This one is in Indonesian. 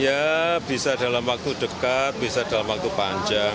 ya bisa dalam waktu dekat bisa dalam waktu panjang